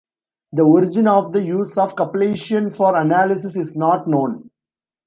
The origin of the use of cupellation for analysis is not known.